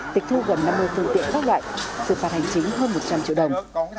tịch thu gần năm mươi phương tiện các loại xử phạt hành chính hơn một trăm linh triệu đồng